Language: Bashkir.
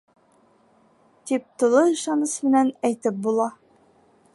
... тип тулы ышаныс менән әйтеп була